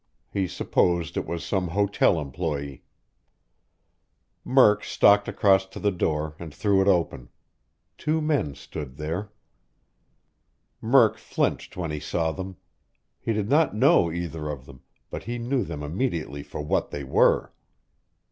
He supposed it was some hotel employee. Murk stalked across to the door and threw it open. Two men stood there. Murk flinched when he saw them. He did not know either of them, but he knew them immediately for what they were.